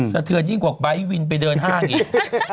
สะเทือนยิ่งกว่าไบท์วินไปเดินห้างอีก